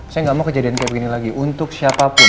saya nggak mau kejadian kayak begini lagi untuk siapapun